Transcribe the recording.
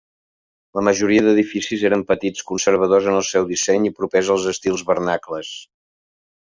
La majoria d'edificis eren petits, conservadors en el seu disseny i propers als estils vernacles.